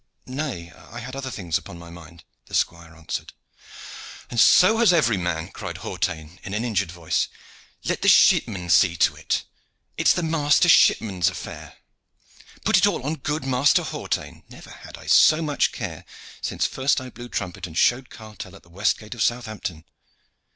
"Nay, I had other things upon my mind," the squire answered. "And so has every man," cried Hawtayne in an injured voice. "Let the shipman see to it. It is the master shipman's affair. Put it all upon good Master Hawtayne! Never had I so much care since first I blew trumpet and showed cartel at the west gate of Southampton."